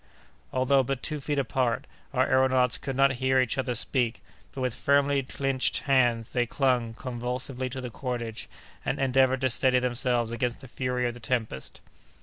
Although but two feet apart, our aëronauts could not hear each other speak, but with firmly clinched hands they clung convulsively to the cordage, and endeavored to steady themselves against the fury of the tempest.